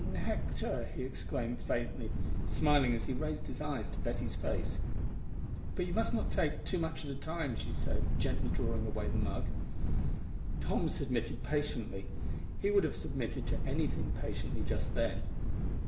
"Nectar!" he exclaimed faintly, smiling as he raised his eyes to Betty's face. "But you must not take too much at a time," she said, gently drawing away the mug. Tom submitted patiently. He would have submitted to anything patiently just then!